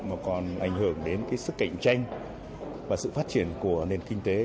mà còn ảnh hưởng đến sức cạnh tranh và sự phát triển của nền kinh tế